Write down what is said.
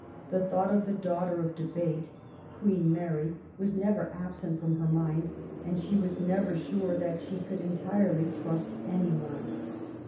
The thought of the Daughter of Debate," Queen Mary, was never absent from her mind, and she was never sure that she could entirely trust any one.